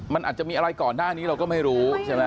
มันอาจจะมีอะไรก่อนหน้านี้เราก็ไม่รู้ใช่ไหม